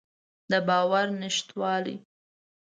د باور نشتوالی.